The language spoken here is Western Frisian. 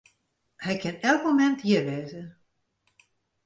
Hy kin ek elk momint hjir wêze.